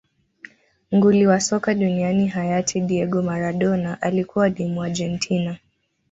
nguli wa soka duniani hayati diego maradona alikuwa ni muargentina